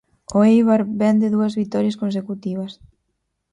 O Éibar vén de dúas vitorias consecutivas.